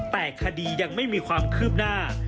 แต่คดียังไม่มีความคืบหน้า